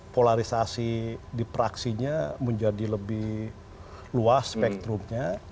polarisasi di praksinya menjadi lebih luas spektrumnya